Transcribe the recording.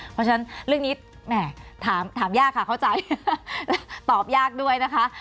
เพราะฉะนั้นเรื่องนี้แหมถามยากค่ะเข้าใจตอบยากด้วยนะคะ